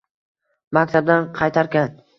Maktabdan qaytarkan